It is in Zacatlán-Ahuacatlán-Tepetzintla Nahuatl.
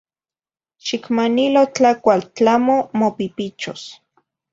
Xicmanilo tlacual, tlamo mopipichos